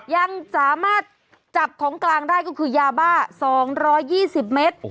ยังสามารถจับของกลางได้ก็คือยาบ้า๒๒๐เมตร